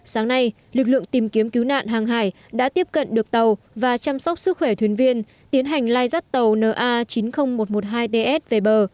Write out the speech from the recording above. sáng nay lực lượng tìm kiếm cứu nạn hàng hải đã tiếp cận được tàu và chăm sóc sức khỏe thuyền viên tiến hành lai rắt tàu na chín mươi nghìn một trăm một mươi hai ts về bờ